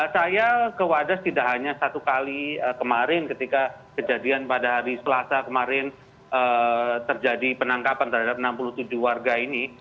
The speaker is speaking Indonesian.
saya ke wadas tidak hanya satu kali kemarin ketika kejadian pada hari selasa kemarin terjadi penangkapan terhadap enam puluh tujuh warga ini